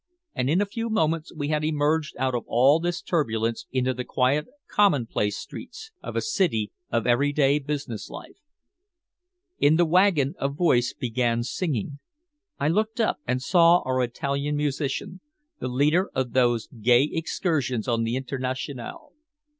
And in a few moments we had emerged out of all this turbulence into the quiet commonplace streets of a city of every day business life. In the wagon a voice began singing. I looked up and saw our Italian musician, the leader of those gay excursions on The Internationale.